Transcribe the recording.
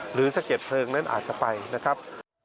สะเก็ดเพลิงนั้นอาจจะไปนะครับ